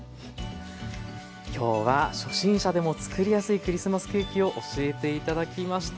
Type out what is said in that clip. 今日は初心者でも作りやすいクリスマスケーキを教えて頂きました。